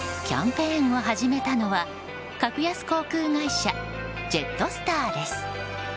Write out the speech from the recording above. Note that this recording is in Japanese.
キャンペーンを始めたのは格安航空会社ジェットスターです。